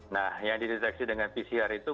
nah yang dideteksi dengan pcr itu